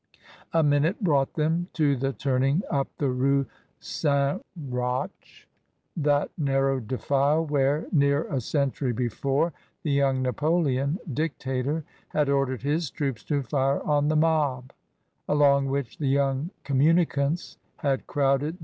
A minute brought them to the turning up the Rue St. Roch, that narrow defile where, near a century before, the young Napoleon, Dictator, had ordered his troops to fire on the mob; along which the young communicants had crowded 236 MRS. DYMOND.